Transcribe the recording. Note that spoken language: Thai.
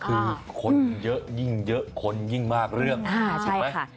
คือคนเยอะยิ่งเยอะคนยิ่งมากเรื่องถูกไหม